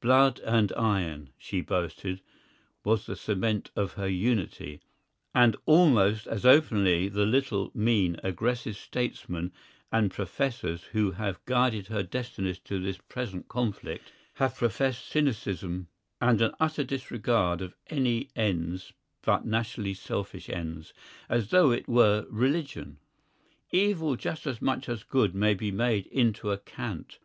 "Blood and iron," she boasted, was the cement of her unity, and almost as openly the little, mean, aggressive statesmen and professors who have guided her destinies to this present conflict have professed cynicism and an utter disregard of any ends but nationally selfish ends, as though it were religion. Evil just as much as good may be made into a Cant.